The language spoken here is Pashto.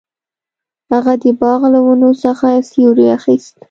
هغه د باغ له ونو څخه سیوری اخیست.